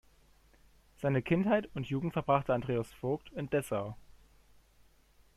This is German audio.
Seine Kindheit und Jugend verbrachte Andreas Voigt in Dessau.